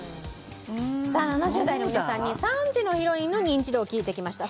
さあ７０代の皆さんに３時のヒロインのニンチドを聞いてきました。